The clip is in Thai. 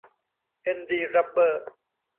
เอ็น ดี รับเบอร์